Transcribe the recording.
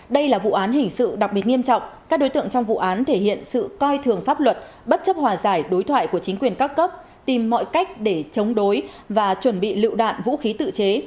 đây là vụ án hình sự đặc biệt nghiêm trọng các đối tượng trong vụ án thể hiện sự coi thường pháp luật bất chấp hòa giải đối thoại của chính quyền các cấp tìm mọi cách để chống đối và chuẩn bị lựu đạn vũ khí tự chế